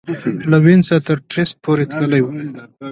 له وینس نه تر ترېسټ پورې تللې وه.